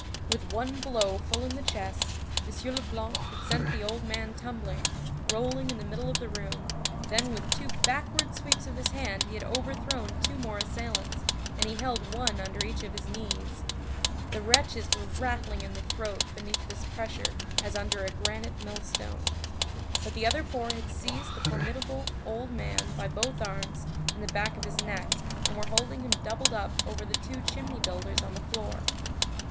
With one blow full in the chest, M. Leblanc had sent the old man tumbling, rolling in the middle of the room, then with two backward sweeps of his hand he had overthrown two more assailants, and he held one under each of his knees; the wretches were rattling in the throat beneath this pressure as under a granite millstone; but the other four had seized the formidable old man by both arms and the back of his neck, and were holding him doubled up over the two "chimney builders" on the floor.